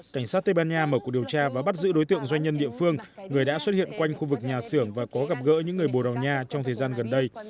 cảnh sát tây ban nha mở cuộc điều tra và bắt giữ đối tượng doanh nhân địa phương người đã xuất hiện quanh khu vực nhà xưởng và có gặp gỡ những người bồ đào nha trong thời gian gần đây